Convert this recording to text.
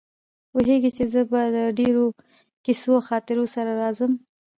پوهېږي چې زه به له ډېرو کیسو او خاطرو سره راځم.